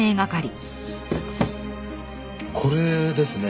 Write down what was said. これですね